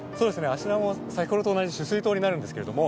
あちらも先ほどと同じ取水塔になるんですけれども。